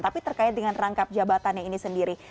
tapi terkait dengan rangkap jabatannya ini sendiri